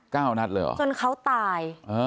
ก้าวนัดเลยเหรอจนเขาตาย